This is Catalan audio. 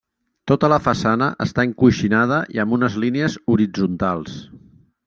Tota la façana està encoixinada i amb unes línies horitzontals.